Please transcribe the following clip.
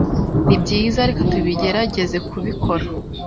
Nibyiza, reka tubigerageze kubikora